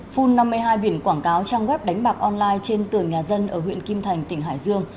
phun năm mươi hai biển quảng cáo trang web đánh bạc online trên tường nhà dân ở huyện kim thành tỉnh hải dương